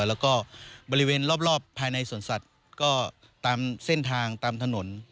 แล้วก็บริเวณรอบภายในสวนสัตว์ก็ตามเส้นทางตามถนน